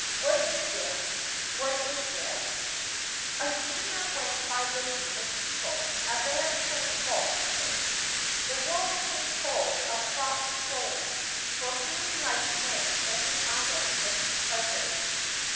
' Was it this ? was it this ?' A steamer went by laden with people, a band playing a waltz tune. The world seemed full of thoughtless souls, for whom life meant only idle empty pleasures.